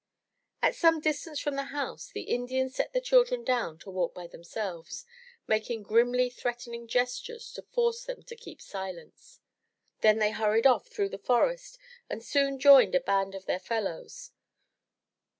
At some distance from the house, the Indians set the children down to walk by themselves, making grimly threatening gestures to force them to keep silence. Then they hurried them off through the forest and soon joined a band of their fellows.